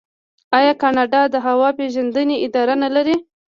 آیا کاناډا د هوا پیژندنې اداره نلري؟